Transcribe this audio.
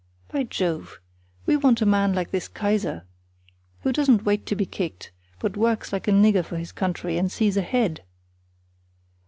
By Jove! we want a man like this Kaiser, who doesn't wait to be kicked, but works like a nigger for his country, and sees ahead."